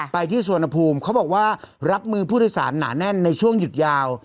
ไปที่สวนภูมิเขาบอกว่ารับมือผู้โดยสารหนาแน่นในช่วงหยุดยาว